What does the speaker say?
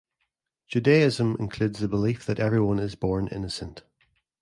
Judaism includes the belief that everyone is born innocent.